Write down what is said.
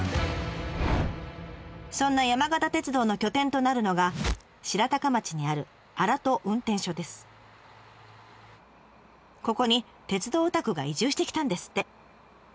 そんな山形鉄道の拠点となるのが白鷹町にあるここに鉄道オタクが移住してきたんですって。